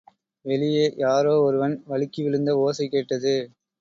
வெளியே யாரோ ஒருவன் வழுக்கி விழுந்த ஓசை கேட்டது.